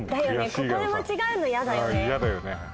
ここで間違えるの嫌だよね。